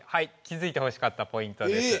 気づいてほしかったポイントです。